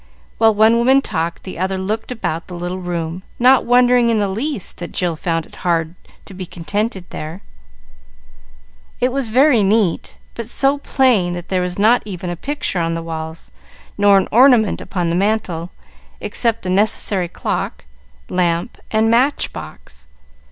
While one woman talked, the other looked about the little room, not wondering in the least that Jill found it hard to be contented there. It was very neat, but so plain that there was not even a picture on the walls, nor an ornament upon the mantel, except the necessary clock, lamp, and match box.